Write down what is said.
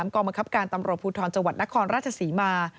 กรรมคับการตำรวจภูทรจังหวัดนครราชศรีมา